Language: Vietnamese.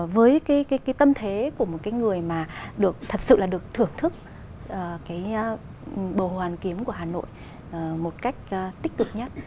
với cái tâm thế của một người mà thật sự là được thưởng thức bờ hồ hàn kiếm của hà nội một cách tích cực nhất